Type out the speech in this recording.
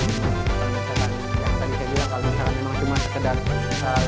kalau misalkan ya tadi saya bilang kalau misalkan memang cuma sekedar